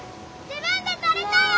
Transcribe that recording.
自分で取れたよ！